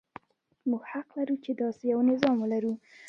موږ حق لرو چې داسې یو نظام ولرو.